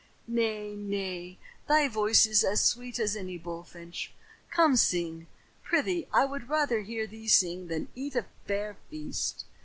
"Nay, nay, thy voice is as sweet as any bullfinch. Come sing, prythee. I would rather hear thee sing than eat a fair feast."